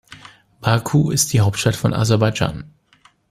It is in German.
Baku ist die Hauptstadt von Aserbaidschan.